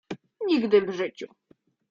"Nigdy w życiu."